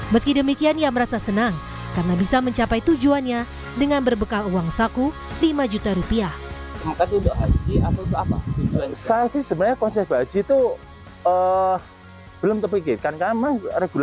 meski demikian ia merasa senang karena bisa mencapai tujuannya dengan berbekal uang saku lima juta rupiah